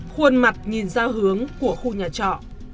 khuôn mặt nhìn ra hướng của khu nhà trọ